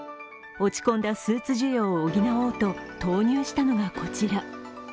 落ち込んでスーツ需要を補おうと投入したのがこちら。